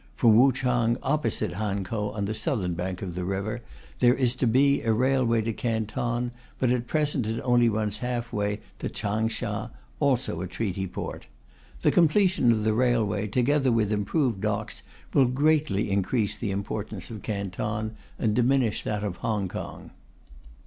From Wuchang, opposite Hankow on the southern bank of the river, there is to be a railway to Canton, but at present it only runs half way, to Changsha, also a Treaty Port. The completion of the railway, together with improved docks, will greatly increase the importance of Canton and diminish that of Hong Kong.